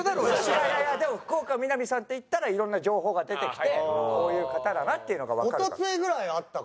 いやいやいやでも福岡みなみさんっていったらいろんな情報が出てきてこういう方だなっていうのがわかるから。